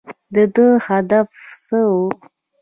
د ده هدف څه و ؟